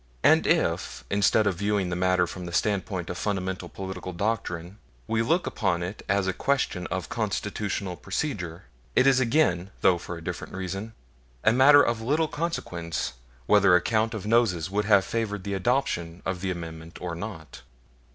And if, instead of viewing the matter from the standpoint of fundamental political doctrine, we look upon it as a question of Constitutional procedure, it is again though for a different reason a matter of little consequence whether a count of noses would have favored the adoption of the Amendment or not.